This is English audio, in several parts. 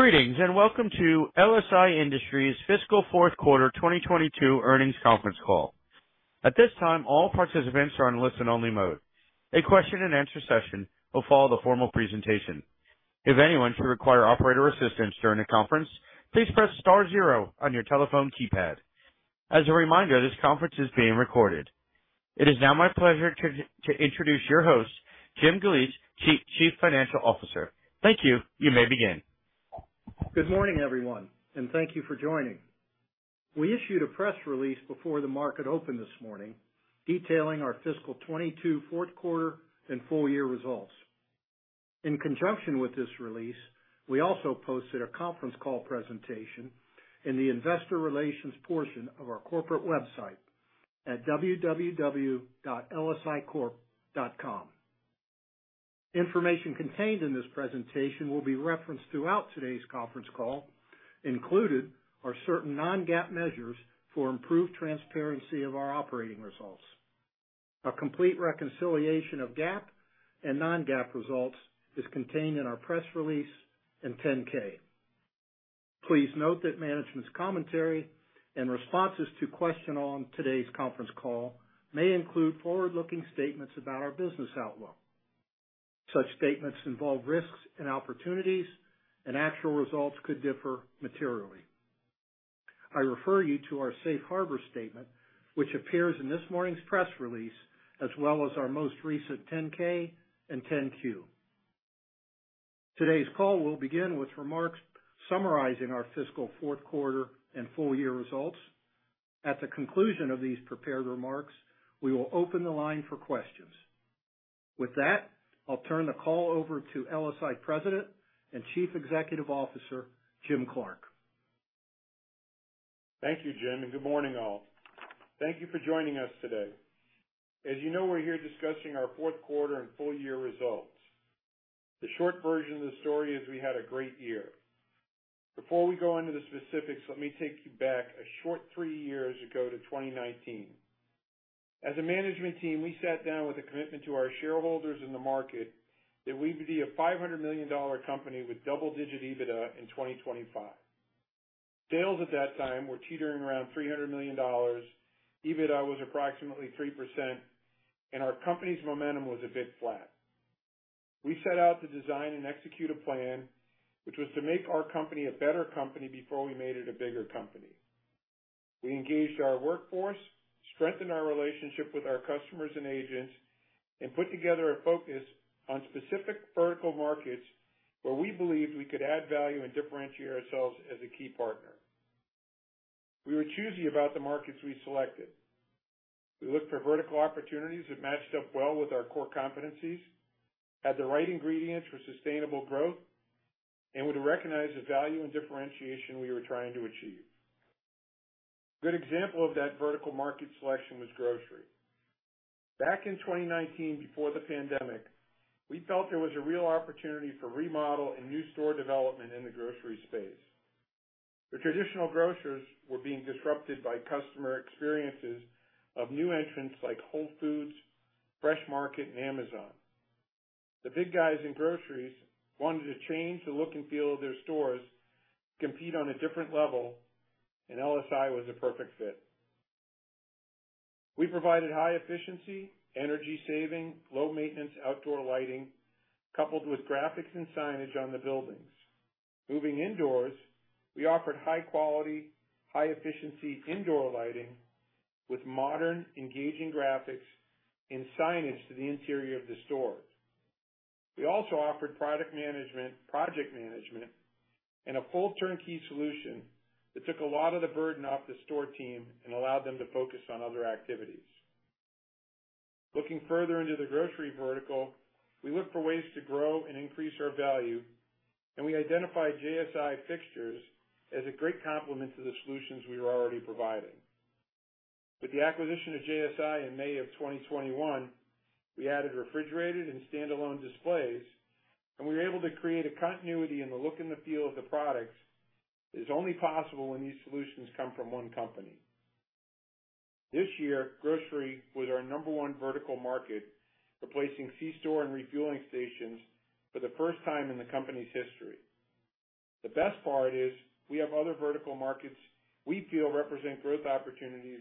Greetings, and welcome to LSI Industries fiscal fourth quarter 2022 earnings conference call. At this time, all participants are in listen-only mode. A question-and-answer session will follow the formal presentation. If anyone should require operator assistance during the conference, please press star zero on your telephone keypad. As a reminder, this conference is being recorded. It is now my pleasure to introduce your host, Jim Galeese, Chief Financial Officer. Thank you. You may begin. Good morning, everyone, and thank you for joining. We issued a press release before the market opened this morning detailing our fiscal 2022 fourth quarter and full year results. In conjunction with this release, we also posted a conference call presentation in the Investor Relations portion of our corporate website at www.lsicorp.com. Information contained in this presentation will be referenced throughout today's conference call. Included are certain non-GAAP measures for improved transparency of our operating results. A complete reconciliation of GAAP and non-GAAP results is contained in our press release and 10-K. Please note that management's commentary and responses to questions on today's conference call may include forward-looking statements about our business outlook. Such statements involve risks and opportunities, and actual results could differ materially. I refer you to our safe harbor statement, which appears in this morning's press release, as well as our most recent 10-K and 10-Q. Today's call will begin with remarks summarizing our fiscal fourth quarter and full year results. At the conclusion of these prepared remarks, we will open the line for questions. With that, I'll turn the call over to LSI President and Chief Executive Officer, Jim Clark. Thank you, Jim, and good morning all. Thank you for joining us today. As you know, we're here discussing our fourth quarter and full year results. The short version of the story is we had a great year. Before we go into the specifics, let me take you back a short three years ago to 2019. As a management team, we sat down with a commitment to our shareholders in the market that we would be a $500 million company with double-digit EBITDA in 2025. Sales at that time were teetering around $300 million. EBITDA was approximately 3%, and our company's momentum was a bit flat. We set out to design and execute a plan which was to make our company a better company before we made it a bigger company. We engaged our workforce, strengthened our relationship with our customers and agents, and put together a focus on specific vertical markets where we believed we could add value and differentiate ourselves as a key partner. We were choosy about the markets we selected. We looked for vertical opportunities that matched up well with our core competencies, had the right ingredients for sustainable growth, and would recognize the value and differentiation we were trying to achieve. Good example of that vertical market selection was grocery. Back in 2019 before the pandemic, we felt there was a real opportunity for remodel and new store development in the grocery space. The traditional grocers were being disrupted by customer experiences of new entrants like Whole Foods Market, The Fresh Market, and Amazon. The big guys in groceries wanted to change the look and feel of their stores, compete on a different level, and LSI was a perfect fit. We provided high efficiency, energy saving, low maintenance outdoor lighting, coupled with graphics and signage on the buildings. Moving indoors, we offered high quality, high efficiency indoor lighting with modern engaging graphics and signage to the interior of the stores. We also offered product management, project management, and a full turnkey solution that took a lot of the burden off the store team and allowed them to focus on other activities. Looking further into the grocery vertical, we looked for ways to grow and increase our value, and we identified JSI fixtures as a great complement to the solutions we were already providing. With the acquisition of JSI Store Fixtures in May 2021, we added refrigerated and standalone displays, and we were able to create a continuity in the look and the feel of the products is only possible when these solutions come from one company. This year, grocery was our number one vertical market, replacing c-store and refueling stations for the first time in the company's history. The best part is we have other vertical markets we feel represent growth opportunities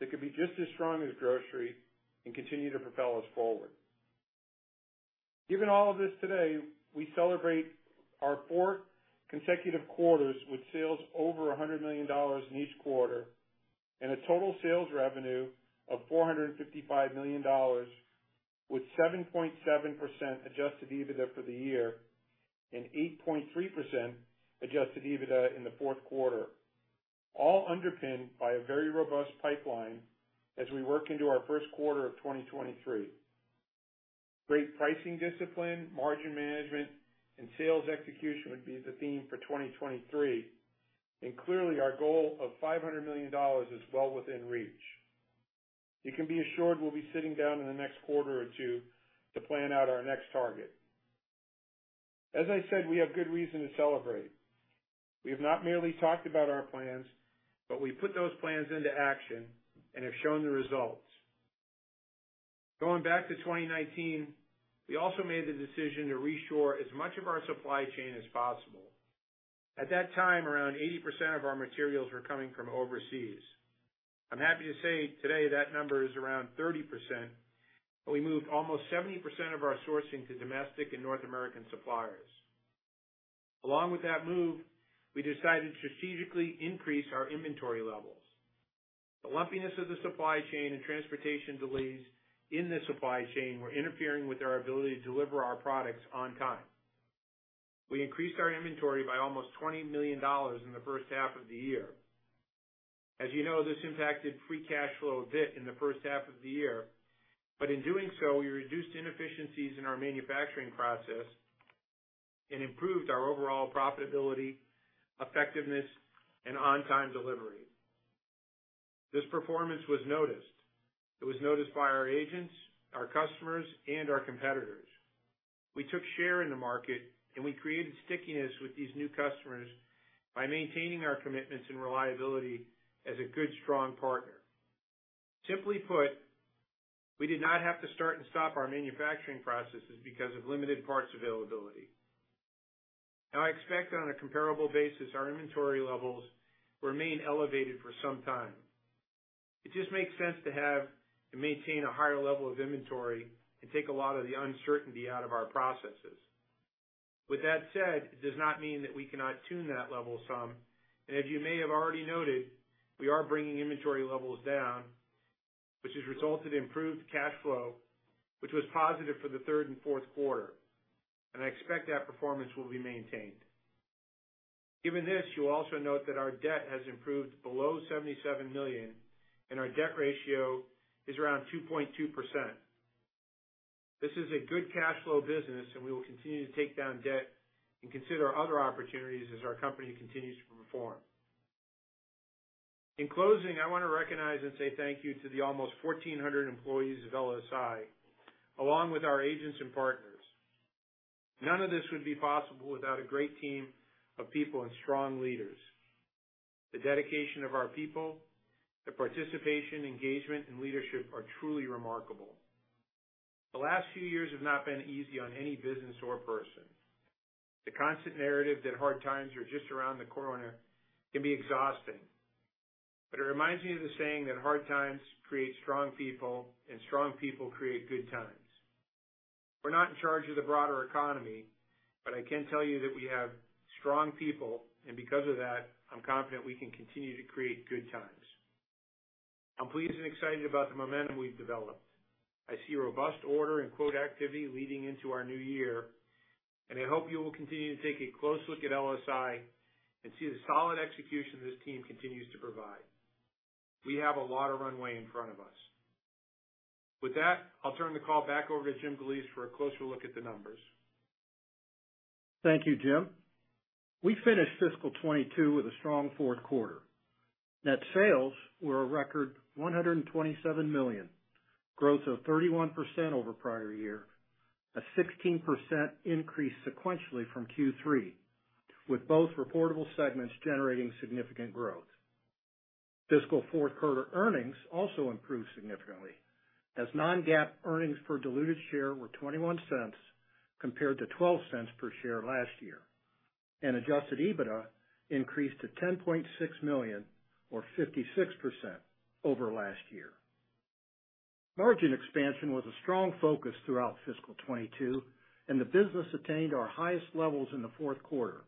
that could be just as strong as grocery and continue to propel us forward. Given all of this today, we celebrate our fourth consecutive quarters with sales over $100 million in each quarter and a total sales revenue of $455 million with 7.7% adjusted EBITDA for the year and 8.3% adjusted EBITDA in the fourth quarter, all underpinned by a very robust pipeline as we work into our first quarter of 2023. Great pricing discipline, margin management, and sales execution would be the theme for 2023, and clearly our goal of $500 million is well within reach. You can be assured we'll be sitting down in the next quarter or two to plan out our next target. As I said, we have good reason to celebrate. We have not merely talked about our plans, but we put those plans into action and have shown the results. Going back to 2019, we also made the decision to reshore as much of our supply chain as possible. At that time, around 80% of our materials were coming from overseas. I'm happy to say today that number is around 30%, but we moved almost 70% of our sourcing to domestic and North American suppliers. Along with that move, we decided to strategically increase our inventory levels. The lumpiness of the supply chain and transportation delays in the supply chain were interfering with our ability to deliver our products on time. We increased our inventory by almost $20 million in the first half of the year. As you know, this impacted free cash flow a bit in the first half of the year, but in doing so, we reduced inefficiencies in our manufacturing process and improved our overall profitability, effectiveness, and on-time delivery. This performance was noticed. It was noticed by our agents, our customers, and our competitors. We took share in the market, and we created stickiness with these new customers by maintaining our commitments and reliability as a good, strong partner. Simply put, we did not have to start and stop our manufacturing processes because of limited parts availability. Now, I expect on a comparable basis, our inventory levels remain elevated for some time. It just makes sense to have and maintain a higher level of inventory and take a lot of the uncertainty out of our processes. With that said, it does not mean that we cannot tune that level some, and as you may have already noted, we are bringing inventory levels down, which has resulted in improved cash flow, which was positive for the third and fourth quarter, and I expect that performance will be maintained. Given this, you'll also note that our debt has improved below $77 million, and our debt ratio is around 2.2%. This is a good cash flow business, and we will continue to take down debt and consider other opportunities as our company continues to perform. In closing, I wanna recognize and say thank you to the almost 1,400 employees of LSI, along with our agents and partners. None of this would be possible without a great team of people and strong leaders. The dedication of our people, the participation, engagement, and leadership are truly remarkable. The last few years have not been easy on any business or person. The constant narrative that hard times are just around the corner can be exhausting, but it reminds me of the saying that hard times create strong people, and strong people create good times. We're not in charge of the broader economy, but I can tell you that we have strong people, and because of that, I'm confident we can continue to create good times. I'm pleased and excited about the momentum we've developed. I see robust order and quote activity leading into our new year, and I hope you will continue to take a close look at LSI and see the solid execution this team continues to provide. We have a lot of runway in front of us. With that, I'll turn the call back over to Jim Galeese for a closer look at the numbers. Thank you, Jim. We finished fiscal 2022 with a strong fourth quarter. Net sales were a record $127 million, growth of 31% over prior year, a 16% increase sequentially from Q3, with both reportable segments generating significant growth. Fiscal fourth quarter earnings also improved significantly as non-GAAP earnings per diluted share were $0.21 compared to $0.12 per share last year. Adjusted EBITDA increased to $10.6 million or 56% over last year. Margin expansion was a strong focus throughout fiscal 2022, and the business attained our highest levels in the fourth quarter,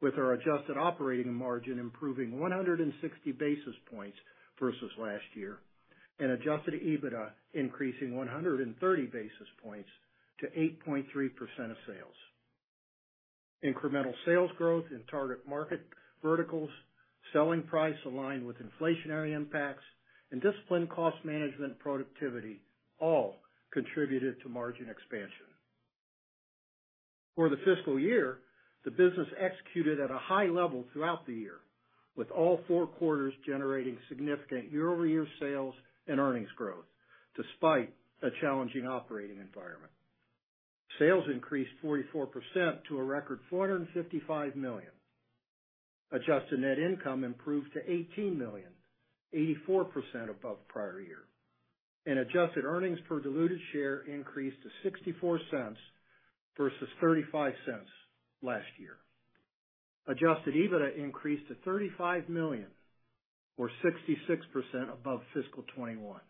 with our adjusted operating margin improving 160 basis points versus last year, and adjusted EBITDA increasing 130 basis points to 8.3% of sales. Incremental sales growth in target market verticals, selling price aligned with inflationary impacts, and disciplined cost management productivity all contributed to margin expansion. For the fiscal year, the business executed at a high level throughout the year, with all four quarters generating significant year-over-year sales and earnings growth despite a challenging operating environment. Sales increased 44% to a record $455 million. Adjusted net income improved to $18 million, 84% above prior year. Adjusted earnings per diluted share increased to $0.64 versus $0.35 last year. Adjusted EBITDA increased to $35 million or 66% above fiscal 2021.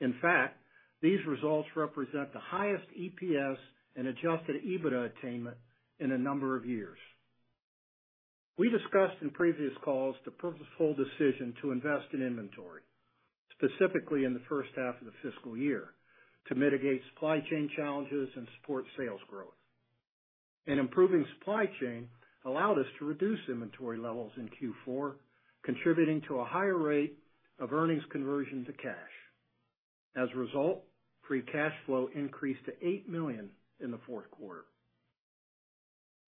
In fact, these results represent the highest EPS and adjusted EBITDA attainment in a number of years. We discussed in previous calls the purposeful decision to invest in inventory, specifically in the first half of the fiscal year, to mitigate supply chain challenges and support sales growth. An improving supply chain allowed us to reduce inventory levels in Q4, contributing to a higher rate of earnings conversion to cash. As a result, free cash flow increased to $8 million in the fourth quarter.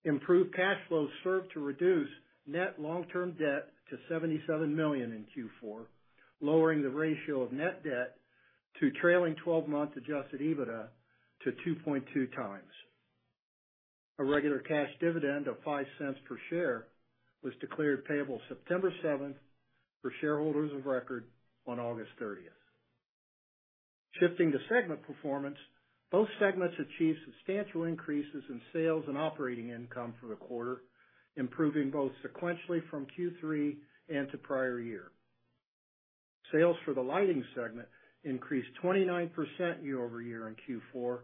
Improved cash flows served to reduce net long-term debt to $77 million in Q4, lowering the ratio of net debt to trailing 12-month adjusted EBITDA to 2.2x. A regular cash dividend of $0.05 per share was declared payable September 7 for shareholders of record on August 30th. Shifting to segment performance, both segments achieved substantial increases in sales and operating income for the quarter, improving both sequentially from Q3 and to prior year. Sales for the Lighting segment increased 29% year-over-year in Q4,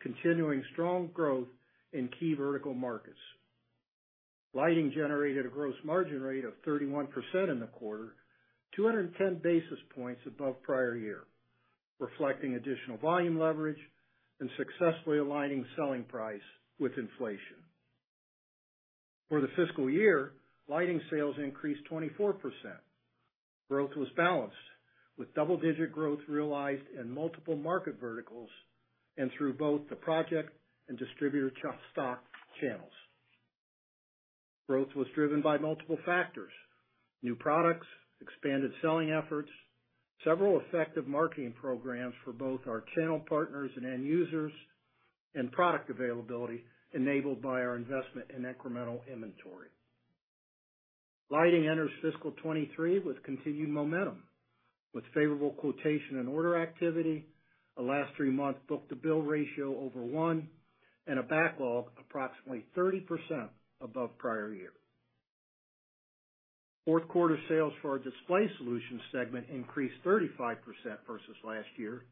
continuing strong growth in key vertical markets. Lighting generated a gross margin rate of 31% in the quarter, 210 basis points above prior year, reflecting additional volume leverage and successfully aligning selling price with inflation. For the fiscal year, lighting sales increased 24%. Growth was balanced with double-digit growth realized in multiple market verticals and through both the project and distributor channels. Growth was driven by multiple factors, new products, expanded selling efforts, several effective marketing programs for both our channel partners and end users, and product availability enabled by our investment in incremental inventory. Lighting enters fiscal 2023 with continued momentum, with favorable quotation and order activity, a last three-month book-to-bill ratio over one, and a backlog approximately 30% above prior year. Fourth quarter sales for our Display Solutions segment increased 35% versus last year,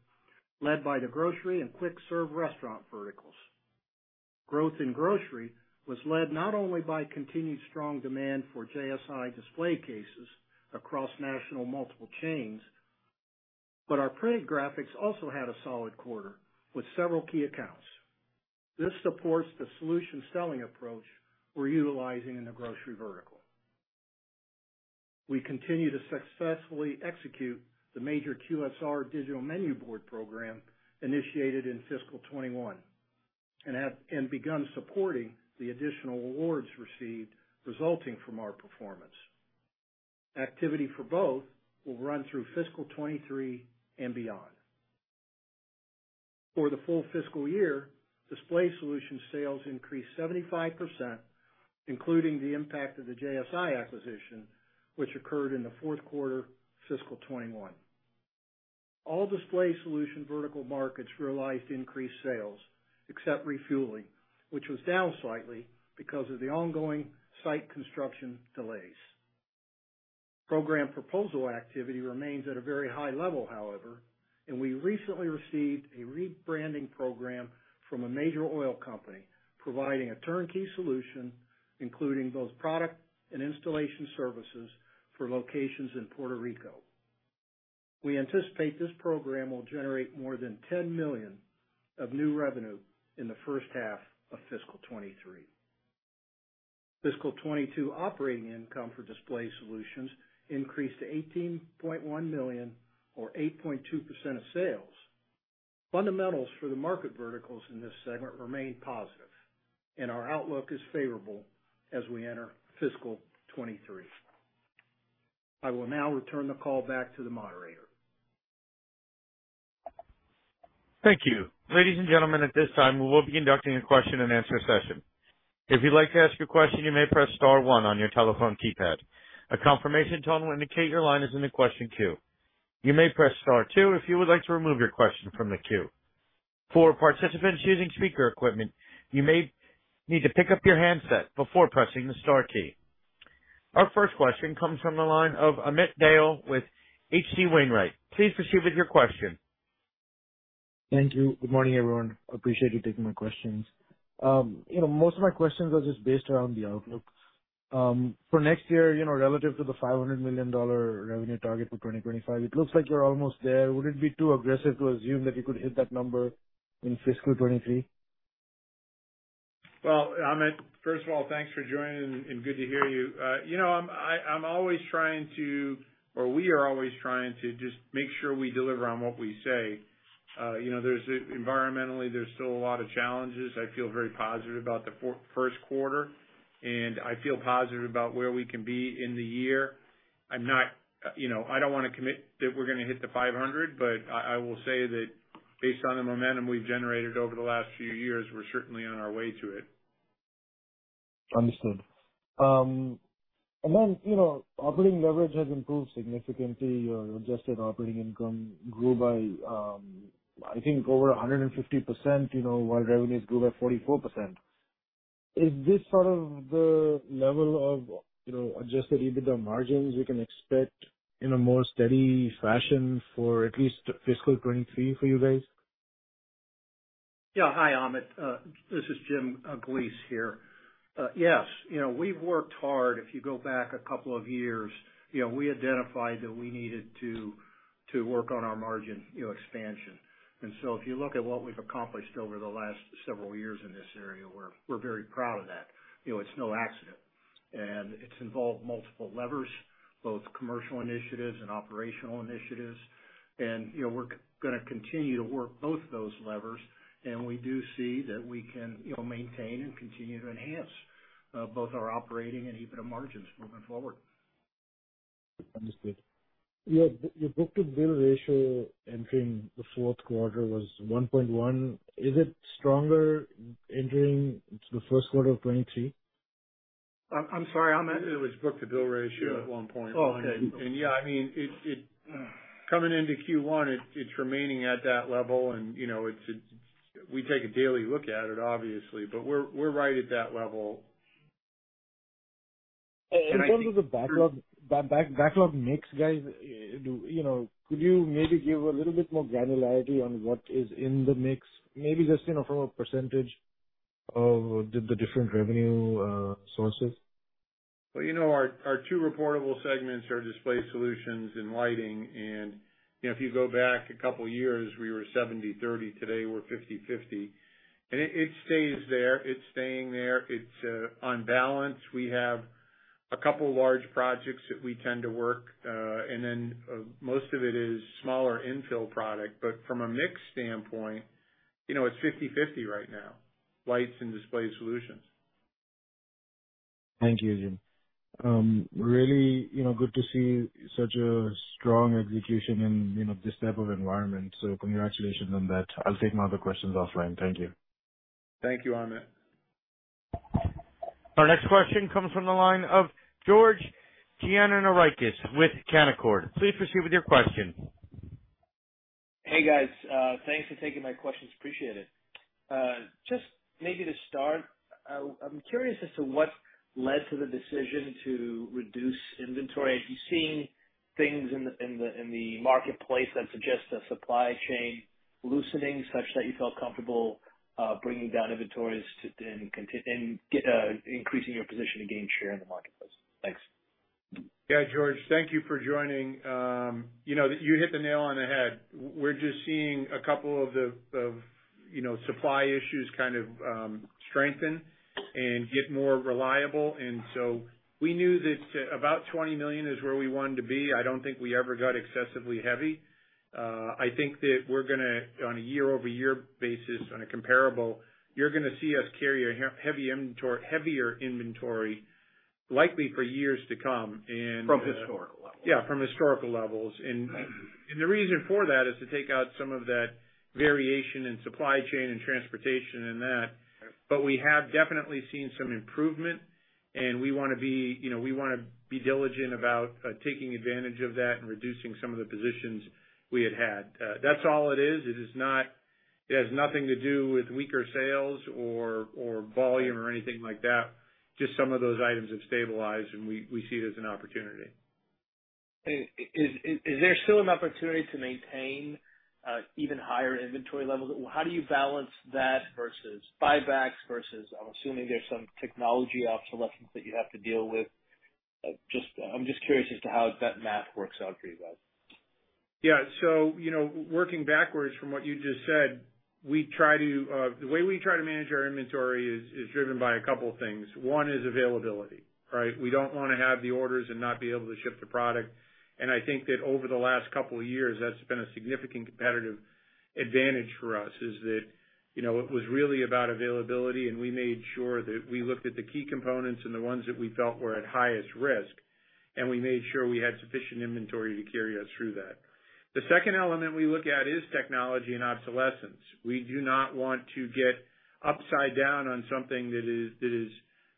led by the grocery and quick serve restaurant verticals. Growth in grocery was led not only by continued strong demand for JSI display cases across national multiple chains, but our printed graphics also had a solid quarter with several key accounts. This supports the solution selling approach we're utilizing in the grocery vertical. We continue to successfully execute the major QSR digital menu board program initiated in fiscal 2021 and begun supporting the additional awards received resulting from our performance. Activity for both will run through fiscal 2023 and beyond. For the full fiscal year, Display Solutions sales increased 75%, including the impact of the JSI acquisition, which occurred in the fourth quarter fiscal 2021. All Display Solutions vertical markets realized increased sales except refueling, which was down slightly because of the ongoing site construction delays. Program proposal activity remains at a very high level, however, and we recently received a rebranding program from a major oil company providing a turnkey solution, including both product and installation services for locations in Puerto Rico. We anticipate this program will generate more than $10 million of new revenue in the first half of fiscal 2023. Fiscal 2022 operating income for Display Solutions increased to $18.1 million, or 8.2% of sales. Fundamentals for the market verticals in this segment remain positive, and our outlook is favorable as we enter fiscal 2023. I will now return the call back to the moderator. Thank you. Ladies and gentlemen, at this time, we will be conducting a question-and-answer session. If you'd like to ask a question, you may press star one on your telephone keypad. A confirmation tone will indicate your line is in the question queue. You may press star two if you would like to remove your question from the queue. For participants using speaker equipment, you may need to pick up your handset before pressing the star key. Our first question comes from the line of Amit Dayal with H.C. Wainwright. Please proceed with your question. Thank you. Good morning, everyone. Appreciate you taking my questions. You know, most of my questions are just based around the outlook. For next year, you know, relative to the $500 million revenue target for 2025, it looks like you're almost there. Would it be too aggressive to assume that you could hit that number in fiscal 2023? Well, Amit, first of all, thanks for joining, and good to hear you. You know, we are always trying to just make sure we deliver on what we say. You know, environmentally, there's still a lot of challenges. I feel very positive about the first quarter, and I feel positive about where we can be in the year. I'm not, you know, I don't wanna commit that we're gonna hit the $500, but I will say that based on the momentum we've generated over the last few years, we're certainly on our way to it. Understood. You know, operating leverage has improved significantly. Your adjusted operating income grew by, I think over 150%, you know, while revenues grew by 44%. Is this sort of the level of, you know, adjusted EBITDA margins we can expect in a more steady fashion for at least fiscal 2023 for you guys? Yeah. Hi, Amit. This is Jim Galeese here. Yes, you know, we've worked hard. If you go back a couple of years, you know, we identified that we needed to work on our margin, you know, expansion. If you look at what we've accomplished over the last several years in this area, we're very proud of that. You know, it's no accident, and it's involved multiple levers, both commercial initiatives and operational initiatives. You know, we're gonna continue to work both those levers, and we do see that we can, you know, maintain and continue to enhance both our operating and EBITDA margins moving forward. Understood. Your book-to-bill ratio entering the fourth quarter was 1.1. Is it stronger entering the first quarter of 2023? I'm sorry, Amit. It was book-to-bill ratio at one point. Oh, okay. Yeah, I mean, it's coming into Q1, it's remaining at that level and, you know, we take a daily look at it, obviously, but we're right at that level. In terms of the backlog mix, guys, you know, could you maybe give a little bit more granularity on what is in the mix? Maybe just, you know, from a percentage of the different revenue sources. Well, you know, our two reportable segments are Display Solutions and Lighting. You know, if you go back a couple years, we were 70/30, today we're 50/50. It stays there. It's staying there. It's on balance, we have a couple large projects that we tend to work. And then, most of it is smaller infill product, but from a mix standpoint, you know, it's 50/50 right now, Lighting and Display Solutions. Thank you, Jim. Really, you know, good to see such a strong execution in, you know, this type of environment. Congratulations on that. I'll take my other questions offline. Thank you. Thank you, Amit. Our next question comes from the line of George Gianarikas with Canaccord. Please proceed with your question. Hey, guys. Thanks for taking my questions. Appreciate it. Just maybe to start, I'm curious as to what led to the decision to reduce inventory. Are you seeing things in the marketplace that suggest a supply chain loosening such that you felt comfortable bringing down inventories to then continue and get increasing your position to gain share in the marketplace? Thanks. Yeah, George, thank you for joining. You know, you hit the nail on the head. We're just seeing a couple of the you know, supply issues kind of strengthen and get more reliable. We knew that about $20 million is where we wanted to be. I don't think we ever got excessively heavy. I think that we're gonna on a year-over-year basis, on a comparable, you're gonna see us carry a heavy inventory, heavier inventory, likely for years to come and. From historical levels. Yeah, from historical levels. Right. The reason for that is to take out some of that variation in supply chain and transportation and that. Right. We have definitely seen some improvement, and we wanna be, you know, we wanna be diligent about taking advantage of that and reducing some of the positions we had had. That's all it is. It is not. It has nothing to do with weaker sales or volume or anything like that. Just some of those items have stabilized, and we see it as an opportunity. Is there still an opportunity to maintain even higher inventory levels? How do you balance that versus buybacks, versus I'm assuming there's some technology obsolescence that you have to deal with? I'm just curious as to how that math works out for you guys. Yeah. You know, working backwards from what you just said, we try to the way we try to manage our inventory is driven by a couple things. One is availability, right? We don't wanna have the orders and not be able to ship the product. I think that over the last couple years, that's been a significant competitive advantage for us, is that, you know, it was really about availability, and we made sure that we looked at the key components and the ones that we felt were at highest risk, and we made sure we had sufficient inventory to carry us through that. The second element we look at is technology and obsolescence. We do not want to get upside down on something that is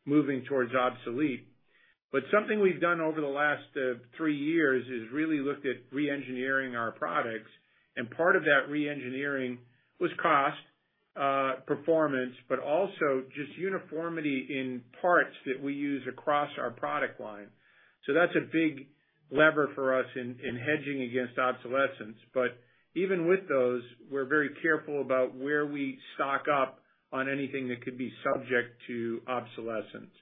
moving towards obsolete. Something we've done over the last three years is really looked at re-engineering our products, and part of that re-engineering was cost, performance, but also just uniformity in parts that we use across our product line. That's a big lever for us in hedging against obsolescence. Even with those, we're very careful about where we stock up on anything that could be subject to obsolescence.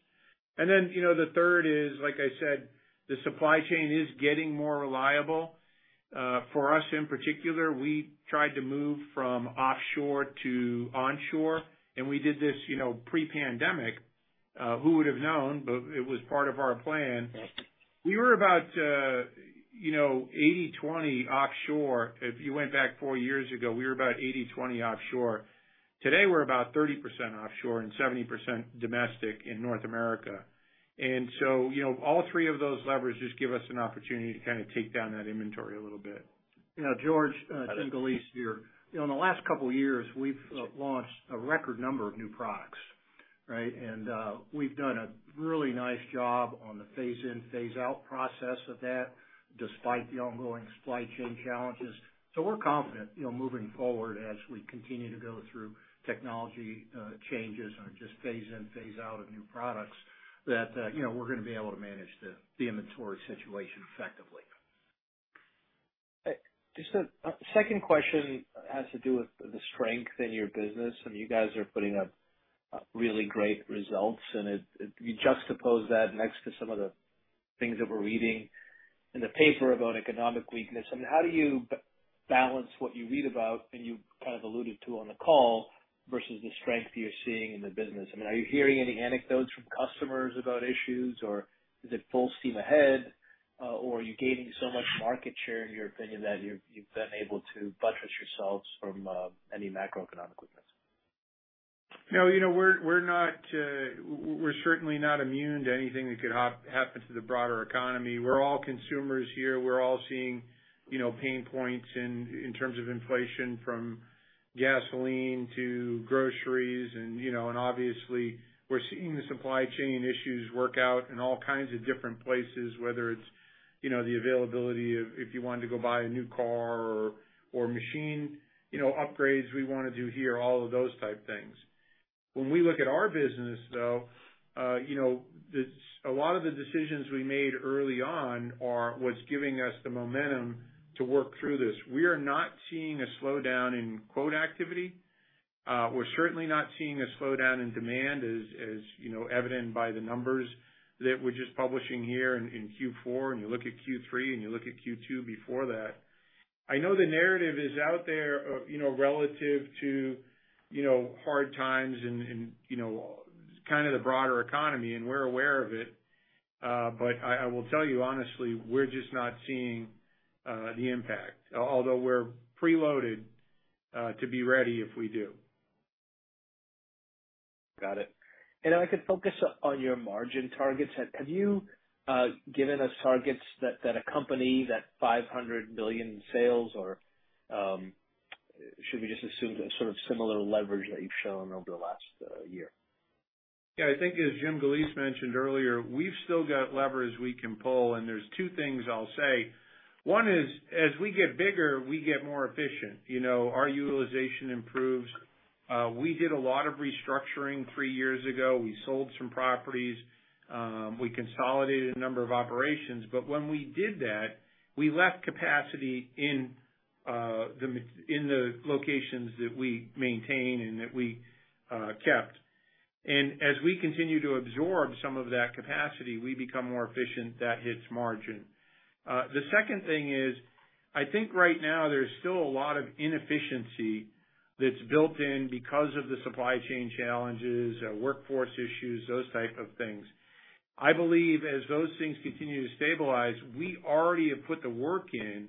You know, the third is, like I said, the supply chain is getting more reliable. For us in particular, we tried to move from offshore to onshore, and we did this, you know, pre-pandemic. Who would have known? It was part of our plan. Right. We were about, you know, 80/20 offshore. If you went back four years ago, we were about 80/20 offshore. Today, we're about 30% offshore and 70% domestic in North America. You know, all three of those levers just give us an opportunity to kinda take down that inventory a little bit. You know, George, Jim Galeese here. You know, in the last couple years, we've launched a record number of new products, right? We've done a really nice job on the phase in phase out process of that, despite the ongoing supply chain challenges. We're confident, you know, moving forward as we continue to go through technology changes or just phase in, phase out of new products, that you know, we're gonna be able to manage the inventory situation effectively. Just a second question has to do with the strength in your business. I mean, you guys are putting up really great results, and you juxtapose that next to some of the things that we're reading in the paper about economic weakness. I mean, how do you balance what you read about, and you kind of alluded to on the call, versus the strength you're seeing in the business? I mean, are you hearing any anecdotes from customers about issues, or is it full steam ahead? Or are you gaining so much market share in your opinion that you've been able to buttress yourselves from any macroeconomic weakness? No, you know, we're certainly not immune to anything that could happen to the broader economy. We're all consumers here. We're all seeing, you know, pain points in terms of inflation from gasoline to groceries and, you know, and obviously we're seeing the supply chain issues work out in all kinds of different places, whether it's, you know, the availability of if you wanted to go buy a new car or machine, you know, upgrades we wanna do here, all of those type things. When we look at our business though, you know, a lot of the decisions we made early on are what's giving us the momentum to work through this. We are not seeing a slowdown in quote activity. We're certainly not seeing a slowdown in demand as you know evident by the numbers that we're just publishing here in Q4. You look at Q3 and you look at Q2 before that. I know the narrative is out there of you know relative to you know hard times and you know kind of the broader economy, and we're aware of it. I will tell you honestly, we're just not seeing the impact, although we're preloaded to be ready if we do. Got it. If I could focus on your margin targets. Have you given us targets that accompany that $500 million in sales or should we just assume the sort of similar leverage that you've shown over the last year? Yeah. I think as Jim Galeese mentioned earlier, we've still got levers we can pull, and there's two things I'll say. One is, as we get bigger, we get more efficient. You know, our utilization improves. We did a lot of restructuring three years ago. We sold some properties. We consolidated a number of operations, but when we did that, we left capacity in the locations that we maintain and that we kept. We continue to absorb some of that capacity, we become more efficient. That hits margin. The second thing is, I think right now there's still a lot of inefficiency that's built in because of the supply chain challenges, workforce issues, those type of things. I believe as those things continue to stabilize, we already have put the work in,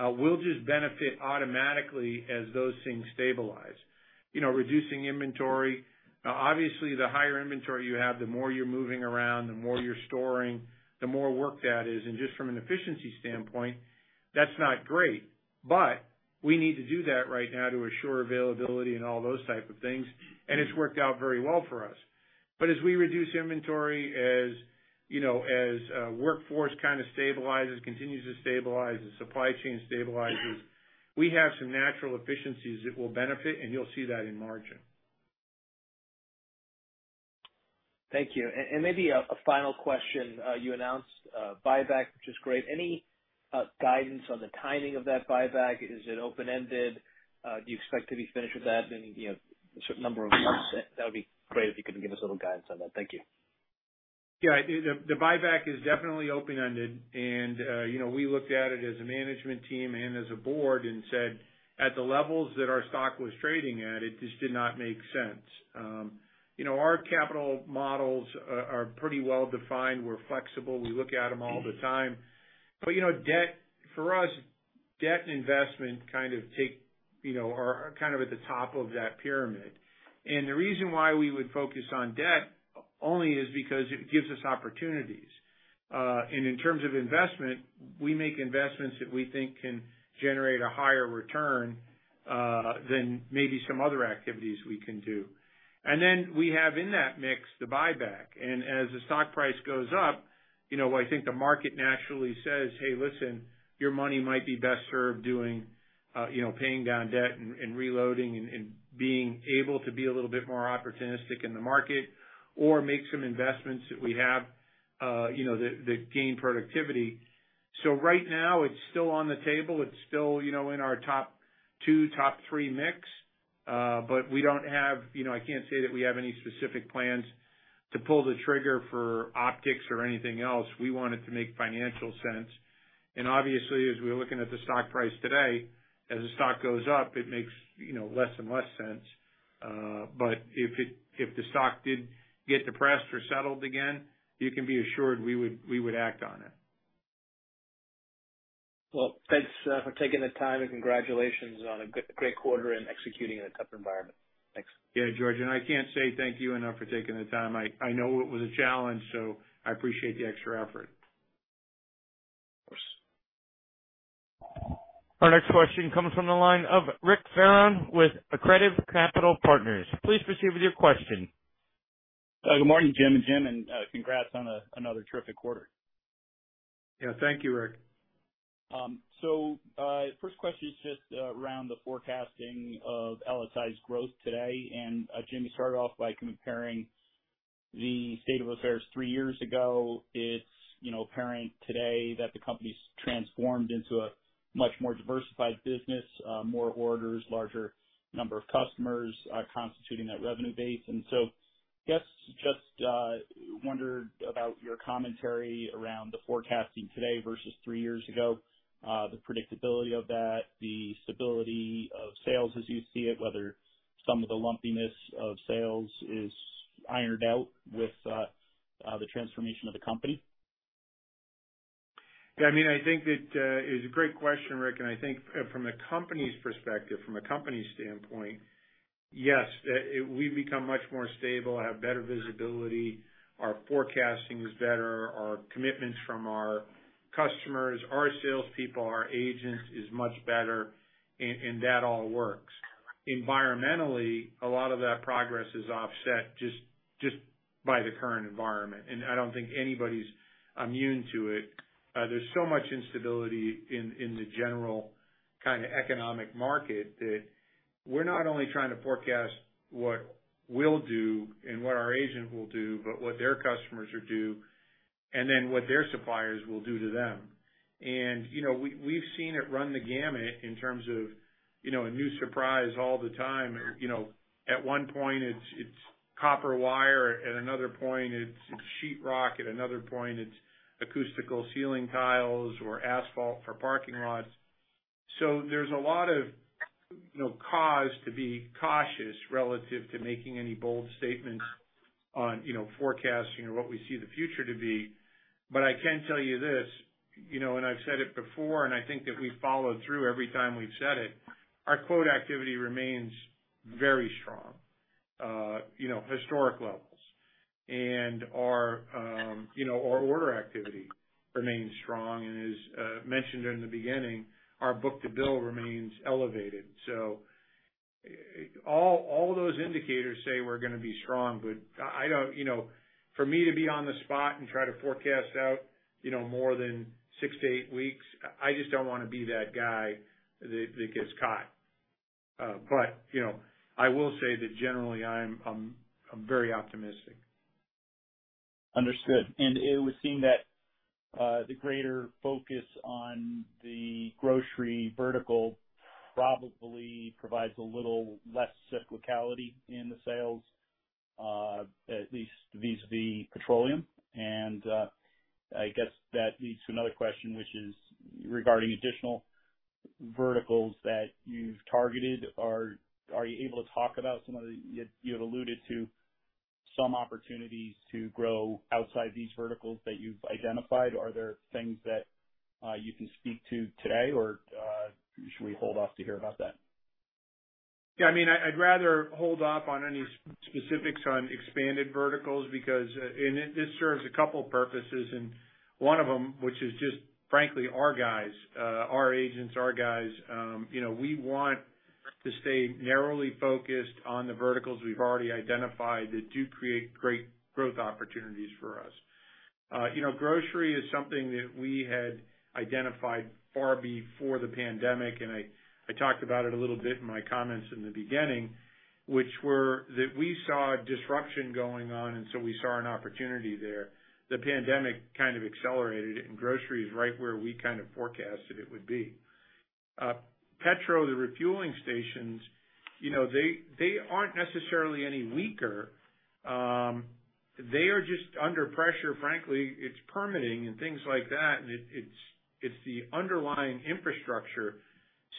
we'll just benefit automatically as those things stabilize. You know, reducing inventory. Obviously the higher inventory you have, the more you're moving around, the more you're storing, the more work that is. Just from an efficiency standpoint, that's not great. We need to do that right now to assure availability and all those type of things, and it's worked out very well for us. As we reduce inventory, as you know, workforce kind of stabilizes, continues to stabilize, the supply chain stabilizes, we have some natural efficiencies that will benefit, and you'll see that in margin. Thank you. Maybe a final question. You announced a buyback, which is great. Any guidance on the timing of that buyback? Is it open-ended? Do you expect to be finished with that in, you know, a certain number of months? That would be great if you could give us a little guidance on that. Thank you. Yeah. The buyback is definitely open-ended and, you know, we looked at it as a management team and as a board and said, at the levels that our stock was trading at, it just did not make sense. You know, our capital models are pretty well defined. We're flexible. We look at them all the time. You know, debt, for us, debt and investment are kind of at the top of that pyramid. The reason why we would focus on debt only is because it gives us opportunities. In terms of investment, we make investments that we think can generate a higher return than maybe some other activities we can do. Then we have in that mix the buyback. As the stock price goes up, you know, I think the market naturally says, "Hey, listen, your money might be best served doing, you know, paying down debt and reloading and being able to be a little bit more opportunistic in the market or make some investments that we have, you know, that gain productivity." Right now it's still on the table. It's still, you know, in our top two, top three mix. We don't have, you know, I can't say that we have any specific plans to pull the trigger for optics or anything else. We want it to make financial sense. Obviously, as we're looking at the stock price today, as the stock goes up, it makes, you know, less and less sense. If the stock did get depressed or settled again, you can be assured we would act on it. Well, thanks, for taking the time and congratulations on a great quarter and executing in a tough environment. Thanks. Yeah, George, I can't say thank you enough for taking the time. I know it was a challenge, so I appreciate the extra effort. Of course. Our next question comes from the line of Richard Fearon with Accretive Capital Partners. Please proceed with your question. Good morning, Jim and Jim, and congrats on another terrific quarter. Yeah. Thank you, Rick. First question is just around the forecasting of LSI's growth today. Jim, you started off by comparing the state of affairs three years ago. It's, you know, apparent today that the company's transformed into a much more diversified business, more orders, larger number of customers, constituting that revenue base. Guess just wondered about your commentary around the forecasting today versus three years ago, the predictability of that, the stability of sales as you see it, whether some of the lumpiness of sales is ironed out with the transformation of the company. Yeah, I mean, I think that it is a great question, Rick, and I think from the company's perspective, from a company standpoint, yes, it. We've become much more stable, have better visibility, our forecasting is better, our commitments from our customers, our salespeople, our agents is much better. That all works. Environmentally, a lot of that progress is offset just by the current environment, and I don't think anybody's immune to it. There's so much instability in the general kinda economic market that we're not only trying to forecast what we'll do and what our agent will do, but what their customers will do, and then what their suppliers will do to them. You know, we've seen it run the gamut in terms of a new surprise all the time. You know, at one point it's copper wire, at another point it's sheet rock, at another point it's acoustical ceiling tiles or asphalt for parking lots. So there's a lot of, you know, cause to be cautious relative to making any bold statements on, you know, forecasting or what we see the future to be. But I can tell you this, you know, and I've said it before, and I think that we followed through every time we've said it, our quote activity remains very strong, you know, historic levels. And our order activity remains strong, and as mentioned in the beginning, our book-to-bill remains elevated. So all those indicators say we're gonna be strong, but I don't. You know, for me to be on the spot and try to forecast out, you know, more than six to eight weeks, I just don't wanna be that guy that gets caught. You know, I will say that generally I'm very optimistic. Understood. It would seem that the greater focus on the grocery vertical probably provides a little less cyclicality in the sales, at least vis-a-vis petroleum. I guess that leads to another question, which is regarding additional verticals that you've targeted. You have alluded to some opportunities to grow outside these verticals that you've identified. Are there things that you can speak to today or should we hold off to hear about that? Yeah. I mean, I'd rather hold off on any specifics on expanded verticals because this serves a couple purposes and one of them, which is just frankly our guys, our agents, our guys, you know, we want to stay narrowly focused on the verticals we've already identified that do create great growth opportunities for us. You know, grocery is something that we had identified far before the pandemic, and I talked about it a little bit in my comments in the beginning, which were that we saw disruption going on, and so we saw an opportunity there. The pandemic kind of accelerated it, and grocery is right where we kind of forecasted it would be. Petrol, the refueling stations, you know, they aren't necessarily any weaker. They are just under pressure. Frankly, it's permitting and things like that, the underlying infrastructure,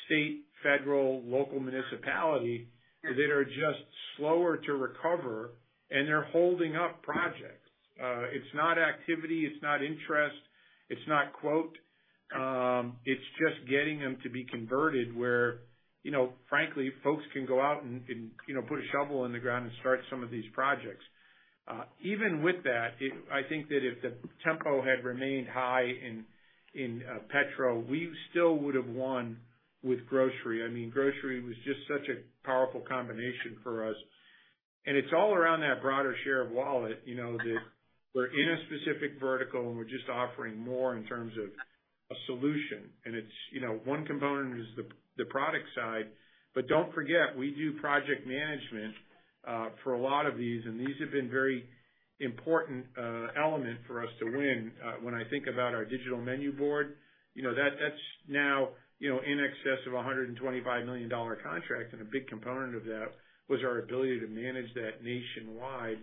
state, federal, local municipality, that are just slower to recover and they're holding up projects. It's not activity, it's not interest, it's not quote, it's just getting them to be converted where, you know, frankly, folks can go out and, you know, put a shovel in the ground and start some of these projects. Even with that, I think that if the tempo had remained high in petrol, we still would've won with grocery. I mean, grocery was just such a powerful combination for us. It's all around that broader share of wallet, you know, that we're in a specific vertical and we're just offering more in terms of a solution. It's, you know, one component is the product side, but don't forget, we do project management for a lot of these, and these have been very important element for us to win. When I think about our digital menu board, you know, that's now, you know, in excess of $125 million contract, and a big component of that was our ability to manage that nationwide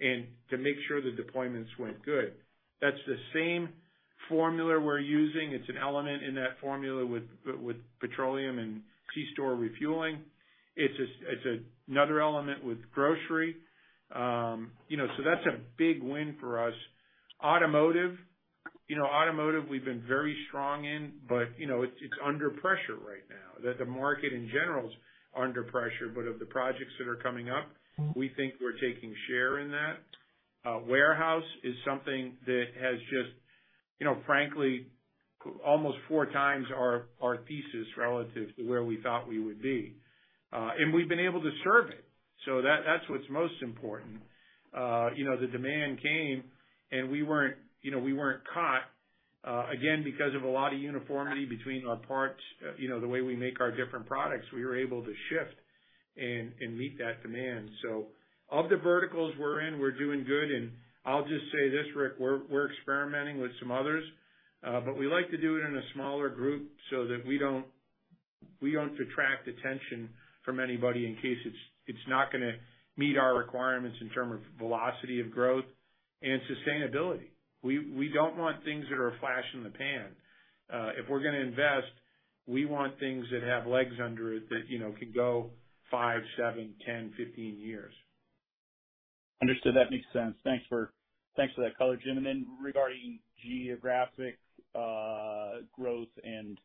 and to make sure the deployments went good. That's the same formula we're using. It's an element in that formula with petroleum and c-store refueling. It's another element with grocery. You know, so that's a big win for us. Automotive. You know, automotive, we've been very strong in, but, you know, it's under pressure right now, that the market in general is under pressure. Of the projects that are coming up, we think we're taking share in that. Warehouse is something that has just, you know, frankly, almost 4x our thesis relative to where we thought we would be. We've been able to serve it, so that's what's most important. You know, the demand came and we weren't, you know, we weren't caught, again, because of a lot of uniformity between our parts, you know, the way we make our different products, we were able to shift and meet that demand. Of the verticals we're in, we're doing good. I'll just say this, Rick, we're experimenting with some others, but we like to do it in a smaller group so that we don't detract attention from anybody in case it's not gonna meet our requirements in terms of velocity of growth and sustainability. We don't want things that are a flash in the pan. If we're gonna invest, we want things that have legs under it that, you know, can go five, seven, 10, 15 years. Understood. That makes sense. Thanks for that color, Jim. Regarding geographic growth and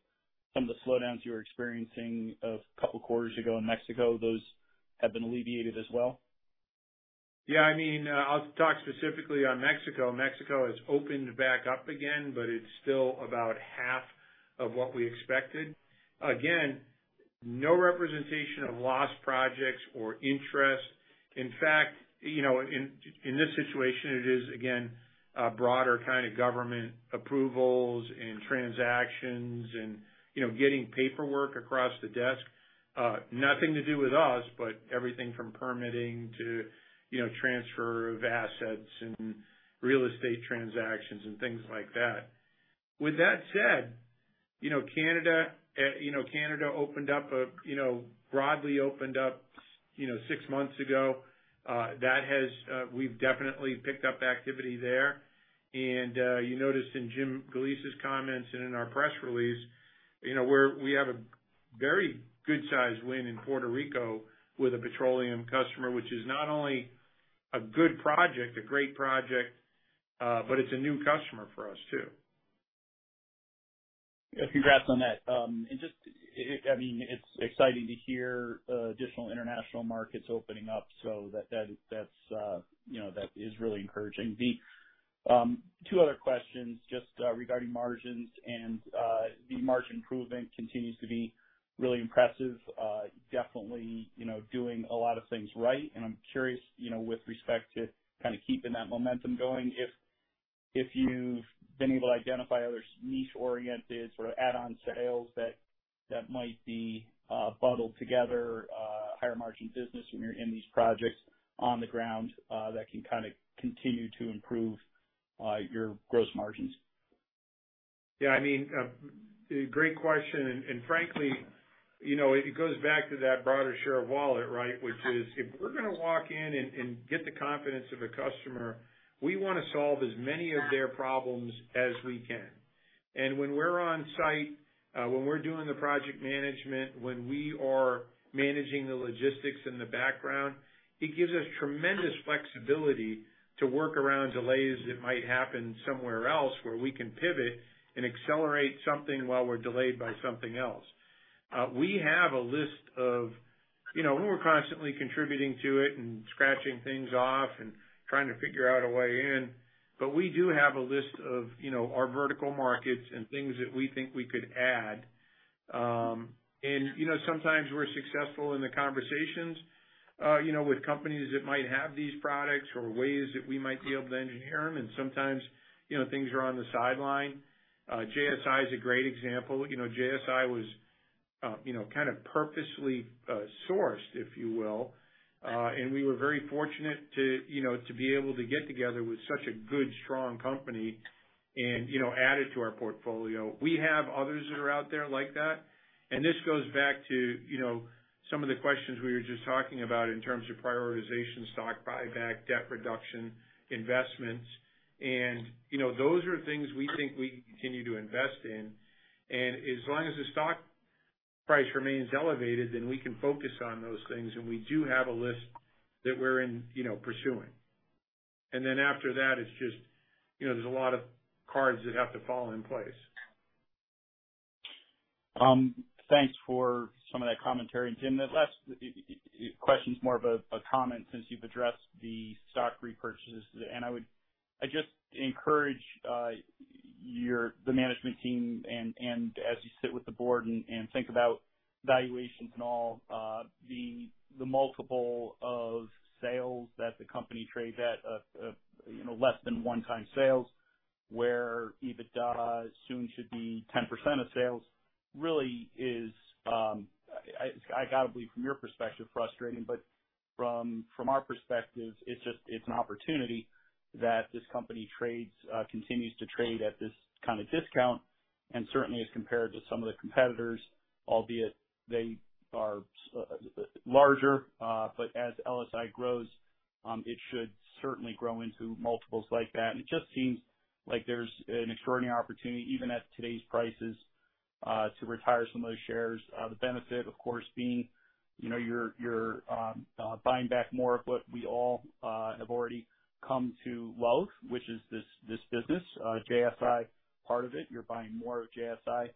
some of the slowdowns you were experiencing a couple quarters ago in Mexico, those have been alleviated as well? Yeah, I mean, I'll talk specifically on Mexico. Mexico has opened back up again, but it's still about half of what we expected. Again, no representation of lost projects or interest. In fact, you know, in this situation, it is, again, a broader kind of government approvals and transactions and, you know, getting paperwork across the desk. Nothing to do with us, but everything from permitting to, you know, transfer of assets and real estate transactions and things like that. With that said, you know, Canada, you know, Canada opened up a, you know, broadly opened up, you know, six months ago. That has, we've definitely picked up activity there. You noticed in Jim Galeese's comments and in our press release, you know, we have a very good sized win in Puerto Rico with a petroleum customer, which is not only a good project, a great project, but it's a new customer for us too. Yeah, congrats on that. I mean, it's exciting to hear additional international markets opening up, so that's, you know, that is really encouraging. The two other questions just regarding margins and the margin improvement continues to be really impressive. Definitely, you know, doing a lot of things right. I'm curious, you know, with respect to kind of keeping that momentum going, if you've been able to identify other niche-oriented sort of add-on sales that might be bundled together higher margin business when you're in these projects on the ground that can kind of continue to improve your gross margins. Yeah, I mean, great question, and frankly, you know, it goes back to that broader share of wallet, right? Which is if we're gonna walk in and get the confidence of a customer, we wanna solve as many of their problems as we can. When we're on site, when we're doing the project management, when we are managing the logistics in the background, it gives us tremendous flexibility to work around delays that might happen somewhere else, where we can pivot and accelerate something while we're delayed by something else. We have a list of, you know, when we're constantly contributing to it and scratching things off and trying to figure out a way in. We do have a list of, you know, our vertical markets and things that we think we could add. You know, sometimes we're successful in the conversations, you know, with companies that might have these products or ways that we might be able to engineer them, and sometimes, you know, things are on the sideline. JSI is a great example. You know, JSI was, you know, kind of purposely sourced, if you will. We were very fortunate to, you know, to be able to get together with such a good, strong company and, you know, add it to our portfolio. We have others that are out there like that, and this goes back to, you know, some of the questions we were just talking about in terms of prioritization, stock buyback, debt reduction, investments. You know, those are things we think we continue to invest in. As long as the stock price remains elevated, then we can focus on those things. We do have a list that we're in, you know, pursuing. After that, it's just, you know, there's a lot of cards that have to fall into place. Thanks for some of that commentary, Jim. The last question is more of a comment since you've addressed the stock repurchases. I would just encourage your management team, and as you sit with the board and think about valuations and all, the multiple of sales that the company trades at, you know, less than one time sales, where EBITDA soon should be 10% of sales, really is, I gotta believe from your perspective, frustrating. From our perspective, it's just an opportunity that this company trades, continues to trade at this kind of discount and certainly as compared to some of the competitors, albeit they are larger. As LSI grows, it should certainly grow into multiples like that. It just seems like there's an extraordinary opportunity, even at today's prices, to retire some of those shares. The benefit, of course, being, you know, you're buying back more of what we all have already come to love, which is this business. JSI part of it, you're buying more of JSI.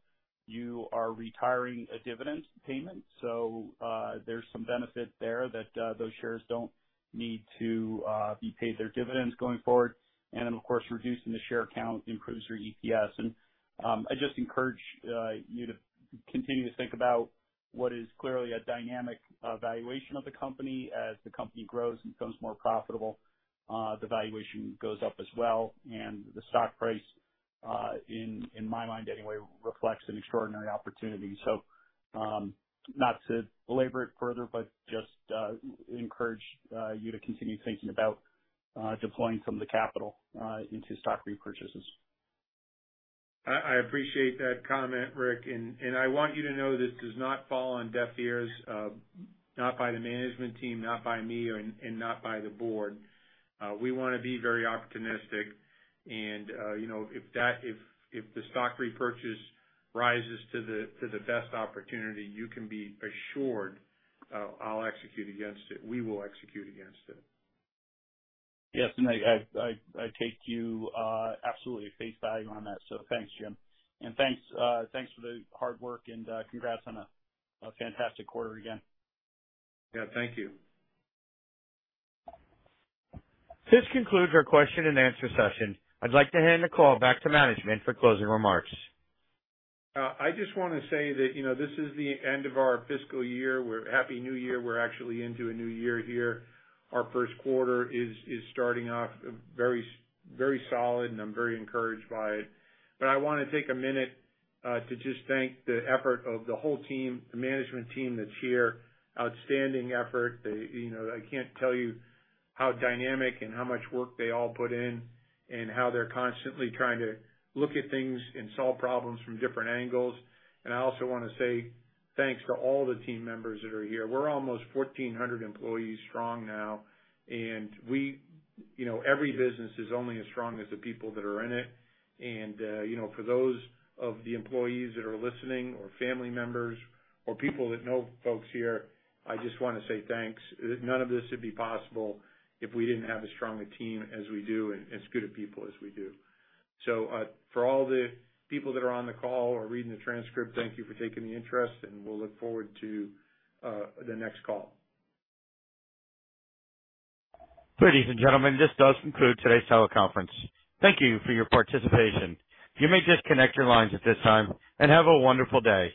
You are retiring a dividend payment, so there's some benefit there that those shares don't need to be paid their dividends going forward. Of course, reducing the share count improves your EPS. I just encourage you to continue to think about what is clearly a dynamic valuation of the company. As the company grows and becomes more profitable, the valuation goes up as well. The stock price, in my mind anyway, reflects an extraordinary opportunity. Not to belabor it further, but just encourage you to continue thinking about deploying some of the capital into stock repurchases. I appreciate that comment, Rick, and I want you to know this does not fall on deaf ears, not by the management team, not by me, and not by the board. We wanna be very opportunistic and, you know, if the stock repurchase rises to the best opportunity, you can be assured, I'll execute against it. We will execute against it. Yes. I take you absolutely at face value on that. Thanks, Jim, and thanks for the hard work and congrats on a fantastic quarter again. Yeah, thank you. This concludes our question-and-answer session. I'd like to hand the call back to management for closing remarks. I just wanna say that, you know, this is the end of our fiscal year. Happy New Year. We're actually into a new year here. Our first quarter is starting off very solid and I'm very encouraged by it. I wanna take a minute to just thank the effort of the whole team, the management team that's here. Outstanding effort. They, you know, I can't tell you how dynamic and how much work they all put in and how they're constantly trying to look at things and solve problems from different angles. I also wanna say thanks to all the team members that are here. We're almost 1,400 employees strong now, and we, you know, every business is only as strong as the people that are in it. You know, for those of the employees that are listening or family members or people that know folks here, I just wanna say thanks. None of this would be possible if we didn't have as strong a team as we do and as good a people as we do. For all the people that are on the call or reading the transcript, thank you for taking the interest, and we'll look forward to the next call. Ladies and gentlemen, this does conclude today's teleconference. Thank you for your participation. You may disconnect your lines at this time, and have a wonderful day.